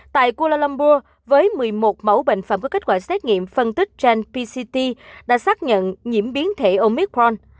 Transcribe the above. tại kuala lumpur với một mươi một mẫu bệnh phẩm có kết quả xét nghiệm phân tích genpct đã xác nhận nhiễm biến thể omicron